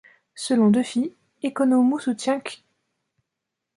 Selon Duffy, Ekonomou soutient qu '.